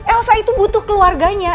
elsa itu butuh keluarganya